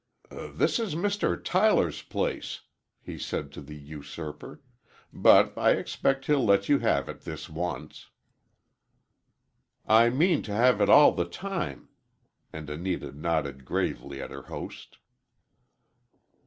"This is Mr. Tyler's place," he said to the usurper, "but I expect he'll let you have it this once." "I mean to have it all the time," and Anita nodded gravely at her host.